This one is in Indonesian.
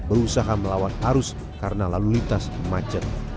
berusaha melawan arus karena lalu lintas macet